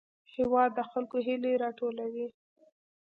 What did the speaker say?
هېواد د خلکو هیلې راټولوي.